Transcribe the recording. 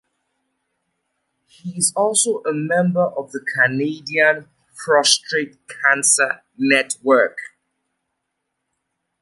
He is also a member of the Canadian Prostate Cancer Network.